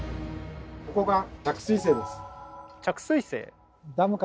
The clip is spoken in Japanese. ここが「着水井」です。